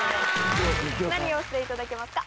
何をしていただけますか？